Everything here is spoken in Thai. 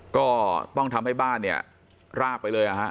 ก็ต้องทำให้บ้านเนี่ยรากไปเลยนะฮะ